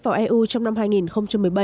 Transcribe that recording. vào eu trong năm hai nghìn một mươi bảy